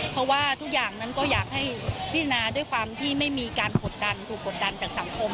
เพราะว่าทุกอย่างนั้นก็อยากให้พิจารณาด้วยความที่ไม่มีการกดดันถูกกดดันจากสังคม